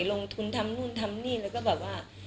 ลงทุนทำนู่นทำนี่แล้วก็แบบว่า